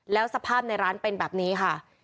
แล้วสภาพในร้านเป็นแบบนี้ค่ะ